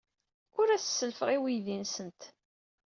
Ur as-sellfeɣ i weydi-nsent.